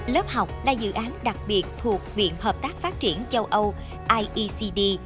lớp học là dự án đặc biệt thuộc viện hợp tác phát triển châu âu iecd